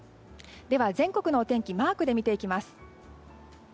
では、全国のお天気をマークで見ていきます。